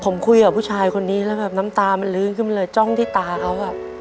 ผมคุยกับผู้ชายคนนี้แล้วแบบน้ำตามันลื้นขึ้นมาเลยจ้องที่ตาเขาอ่ะ